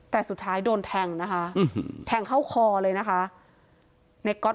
แต่สุดท้ายโดนแทงนะคะแทงเข้าคอเลยนะคะในก๊อต